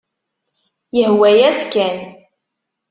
Yehwa-yas kan.